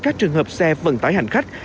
các trường hợp xe vận tải hành khách